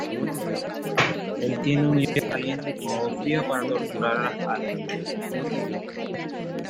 Él tiene un hierro caliente con agua fría para torturar a las almas.